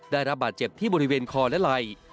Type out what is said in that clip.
ได้รับบาดเจ็บที่บริเวณคอและไหล่